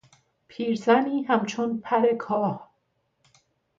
پیرزنی همچون پر کاه